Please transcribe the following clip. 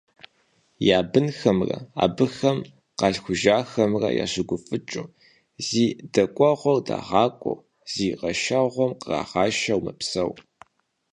Я бынхэмрэ абыхэм къалъхужахэмрэ ящыгуфӀыкӀыу, зи дэкӀуэгъуэр дагъакӀуэу, зи къэшэгъуэм кърагъашэу мэпсэу.